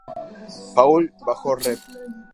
Paul bajo Rev.